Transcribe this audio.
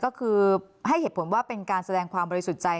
ก็คือให้เหตุผลว่าเป็นการแสดงความบริสุทธิ์ใจ